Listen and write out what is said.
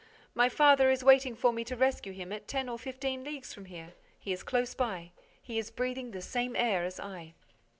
"My father is waiting for me to rescue him at ten or fifteen leagues from here. He is close by. He is breathing the same air as I."